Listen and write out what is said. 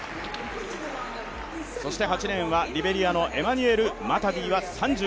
そして８レーンはリベリアのエマニュエル・マタディ。